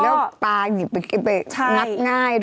แล้วปลาก็หยิบไปหักง่ายด้วย